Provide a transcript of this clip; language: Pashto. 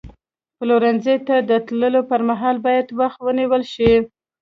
پلورنځي ته د تللو پر مهال باید وخت ونیول شي.